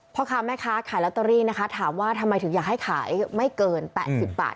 พ่อค้าแม่ค้าขายลอตเตอรี่นะคะถามว่าทำไมถึงอยากให้ขายไม่เกิน๘๐บาท